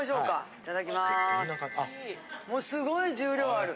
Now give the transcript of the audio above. すごい重量ある。